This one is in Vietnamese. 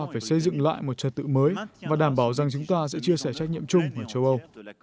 phải xây dựng lại một trật tự mới và đảm bảo rằng chúng ta sẽ chia sẻ trách nhiệm chung với châu âu